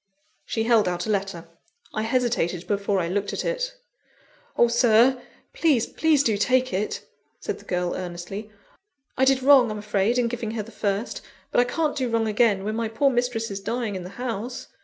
She held out a letter. I hesitated before I looked at it. "Oh, Sir! please, please do take it!" said the girl earnestly. "I did wrong, I'm afraid, in giving her the first; but I can't do wrong again, when my poor mistress is dying in the house.